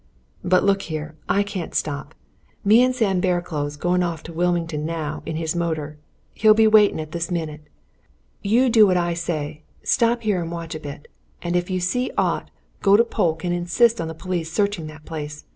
But look here I can't stop. Me and Sam Barraclough's going off to Wymington now, in his motor he'll be waiting at this minute. You do what I say stop here and watch a bit. And if you see aught, go to Polke and insist on the police searching that place.